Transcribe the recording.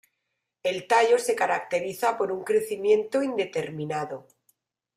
El tallo se caracteriza por un crecimiento indeterminado.